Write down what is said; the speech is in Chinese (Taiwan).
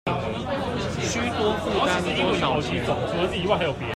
須多負擔多少錢